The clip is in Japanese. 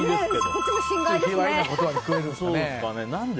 こっちも心外ですね。